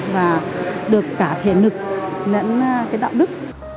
và được cả thể lực lẫn cái đạo đức